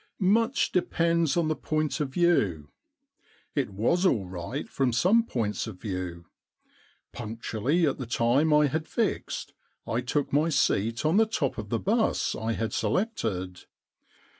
* Much depends on the point of view ; it was all right from some points of view. Punctually at the time I had fixed I took my seat on the top of the bus I had selected.